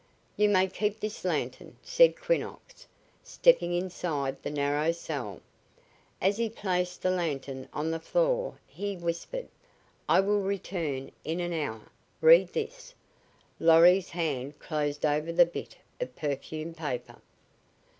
"You may keep this lantern," said Quinnox, stepping inside the narrow cell. As he placed the lantern on the floor he whispered: "I will return in an hour. Read this!" Lorry's hand closed over the bit of perfumed paper.